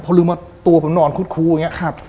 พอลืมมาตัวผมนอนคุดคูอย่างนี้